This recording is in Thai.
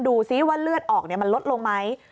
ดูซิว่าเลือดออกมันลดลงไหม